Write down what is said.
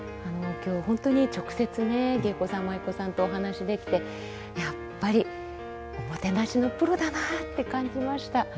今日は本当に直接ね芸妓さん舞妓さんとお話しできてやっぱりおもてなしのプロだなって感じました。